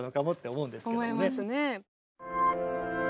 思いますね。